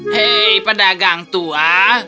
hei pedagang tua